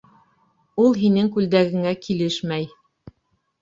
Ул һинең күлдәгеңә килешмәй.